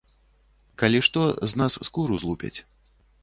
Калі што, з нас скуру злупяць.